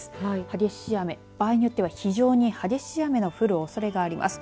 激しい雨、場合によっては非常に激しい雨の降るおそれがあります。